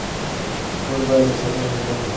موږ باید د سبا غم وخورو.